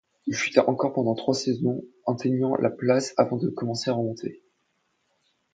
Il chuta encore pendant trois saisons, atteignant la place avant de commencer à remonter.